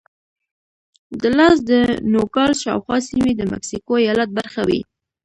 د لاس دو نوګالس شاوخوا سیمې د مکسیکو ایالت برخه وې.